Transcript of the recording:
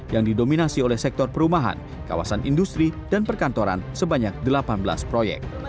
yang didominasi oleh sektor perumahan kawasan industri dan perkantoran sebanyak delapan belas proyek